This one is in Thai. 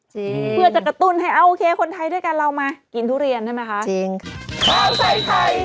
เพื่อจะกระตุ้นให้โอเคคนไทยด้วยกันเรามากินทุเรียนใช่ไหมคะจริงค่ะ